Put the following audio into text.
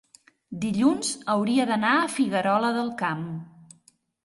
dilluns hauria d'anar a Figuerola del Camp.